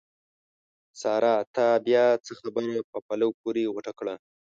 سارا! تا بیا څه خبره په پلو پورې غوټه کړه؟!